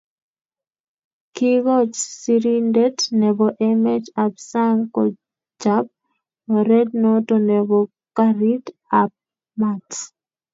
Kikoch sirindet nebo emet ab sang kochab oret noto nebo karit ab mat.